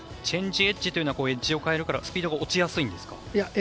チェンジエッジというのはエッジを変えるからスピードが落ちやすいんですか？